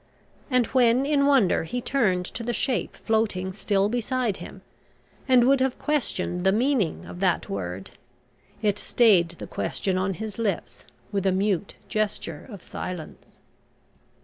And when in wonder he turned to the shape floating still beside him, and would have questioned the meaning of that word, it stayed the question on his lips with a mute gesture of silence.